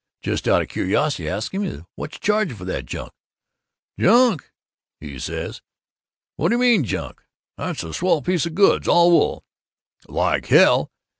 Just out of curiosity I asks him, 'What you charging for that junk?' 'Junk,' he says, 'what d' you mean junk? That's a swell piece of goods, all wool ' Like hell!